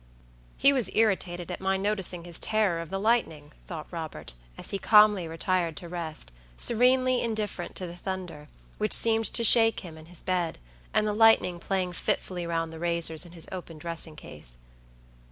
"He was irritated at my noticing his terror of the lightning," thought Robert, as he calmly retired to rest, serenely indifferent to the thunder, which seemed to shake him in his bed, and the lightning playing fitfully round the razors in his open dressing case.